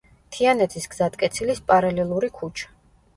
თიანეთის გზატკეცილის პარალელური ქუჩა.